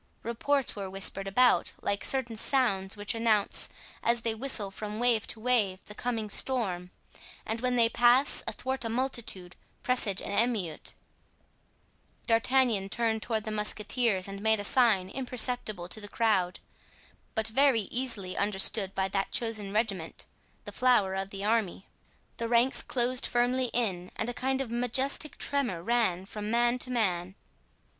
Reports were whispered about, like certain sounds which announce, as they whistle from wave to wave, the coming storm—and when they pass athwart a multitude, presage an emeute. D'Artagnan turned toward the musketeers and made a sign imperceptible to the crowd, but very easily understood by that chosen regiment, the flower of the army. The ranks closed firmly in and a kind of majestic tremor ran from man to man.